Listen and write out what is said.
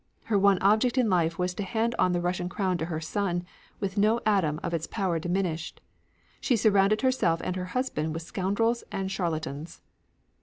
Her one object in life was to hand on the Russian crown to her son, with no atom of its power diminished. She surrounded herself and her husband with scoundrels and charlatans.